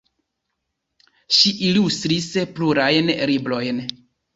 Ŝi ilustris plurajn librojn.